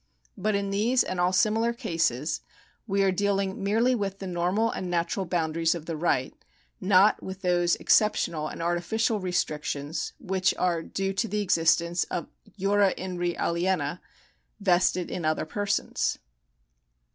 But in these and all similar cases we are dealing merely with the normal and natural boundaries of the right, not with those exceptional and artificial restrictions which are due to the existence of jura in re aliena vested in other persons.